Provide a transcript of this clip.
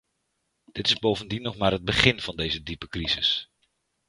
Dit is bovendien nog maar het begin van deze diepe crisis.